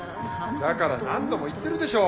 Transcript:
だから何度も言ってるでしょう